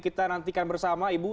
kita nantikan bersama ibu